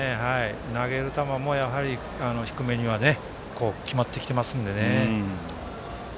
投げる球も低めには決まってきています。